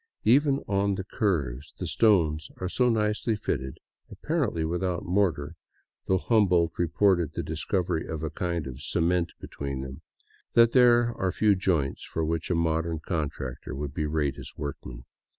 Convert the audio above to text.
Even on the curves, the stones are so nicely fitted, apparently without mortar — though Humboldt reported the discovery of a kind of cement between them — that there are few joints for which a modern contractor would berate his workmen.